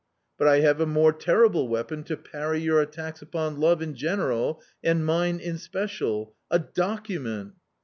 But I have a more terrible weapon to parry your attacks upon love in general ^nd mine in special — a document